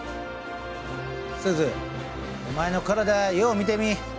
すずお前の体よう見てみ。